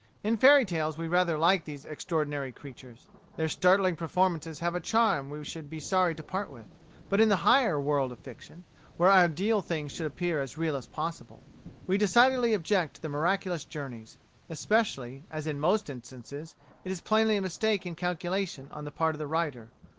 In fairy tales we rather like these extraordinary creatures their startling performances have a charm we should be sorry to part with. But in the higher world of fiction, where ideal things should appear as real as possible, we decidedly object to miraculous journeys, especially, as in most instances, it is plainly a mistake in calculation on the part of the writer.